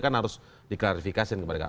kan harus diklarifikasiin kepada mereka